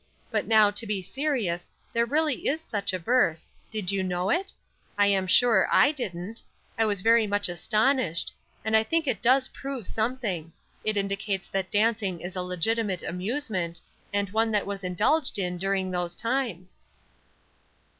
"But now, to be serious, there really is such a verse; did you know it? I am sure I didn't. I was very much astonished; and I think it does prove something. It indicates that dancing is a legitimate amusement, and one that was indulged in during those times."